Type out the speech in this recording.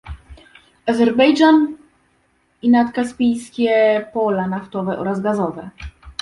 Azerbejdżan i nadkaspijskie pola naftowe oraz gazowe